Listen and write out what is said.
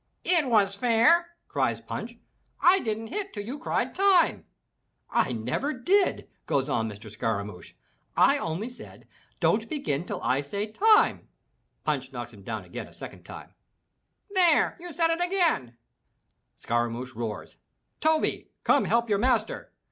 "It was fair!" cries Punch, "I didn't hit till you cried Time.' " "I never did!" goes on Mr. Scaramouch. "I only said, 'Don't begin till I say Time.' " Punch knocks him down a second time. "There you said it again!" 442 THROUGH FAIRY HALLS Scaramouch roars, 'Toby, come help your master."